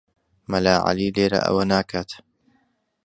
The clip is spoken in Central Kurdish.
مەلا عەلی لێرە ئەوە ناکات.